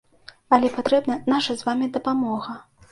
Але патрэбна наша з вамі дапамога.